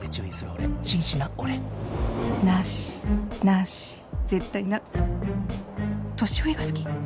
俺紳士な俺なしなし絶対な年上が好き？